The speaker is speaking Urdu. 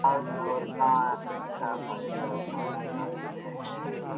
ممتاز دولتانہ اس سے کیا فائدہ اٹھانا چاہتے تھے؟